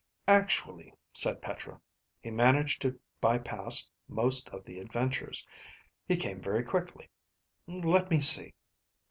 "Actually," said Petra, "he managed to bypass most of the adventures. He came very quickly. Let me see.